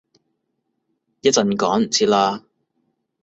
一陣趕唔切喇